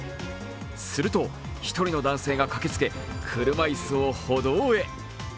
すると、１人の男性が駆けつけ、車いすを歩道へ。